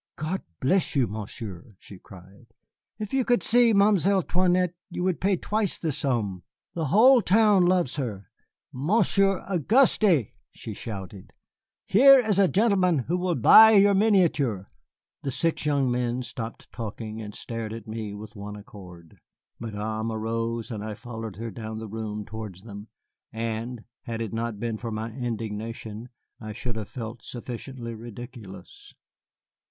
"God bless you, Monsieur," she cried; "if you could see Mamselle 'Toinette you would pay twice the sum. The whole town loves her. Monsieur Auguste, Monsieur Auguste!" she shouted, "here is a gentleman who will buy your miniature." The six young men stopped talking and stared at me with one accord. Madame arose, and I followed her down the room towards them, and, had it not been for my indignation, I should have felt sufficiently ridiculous.